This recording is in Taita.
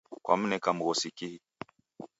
Kwamneka mghosi kihi?